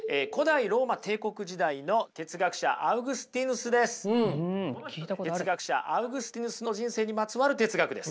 哲学者アウグスティヌスの人生にまつわる哲学です。